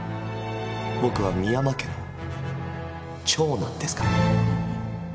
僕は深山家の長男ですから。